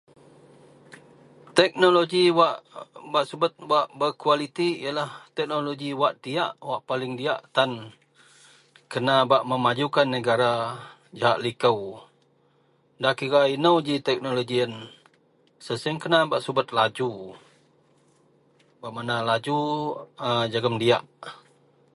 Teknologi wak diak bak subat kualiti teknologi wak paling diak tan kena memajukan negara da kira inou teknologi kena bak subat laju jegam diak.